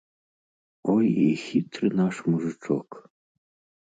Ой, і хітры наш мужычок!